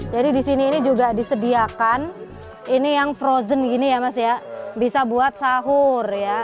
jadi di sini ini juga disediakan ini yang frozen gini ya mas ya bisa buat sahur ya